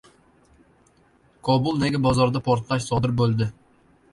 Kobuldagi bozorda portlash sodir bo‘ldi